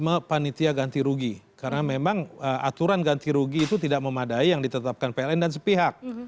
memang panitia ganti rugi karena memang aturan ganti rugi itu tidak memadai yang ditetapkan pln dan sepihak